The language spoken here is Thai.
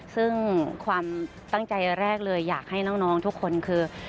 ซึ่งความตั้งใจแรกเลยอยากให้น้องทุกคนคือ